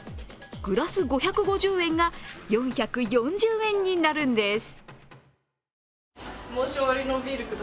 グラス５５０円が４４０円になるんです。